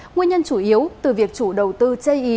nguyên nhân chủ yếu từ việc chủ đầu tư chây ý